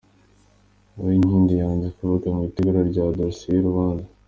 Uwinkindi yanze kuvuga mu itegurwa rya dosiye y’urubanza